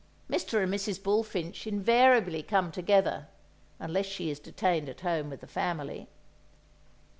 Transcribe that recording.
Mr. and Mrs. Bullfinch invariably come together, unless she is detained at home with the family.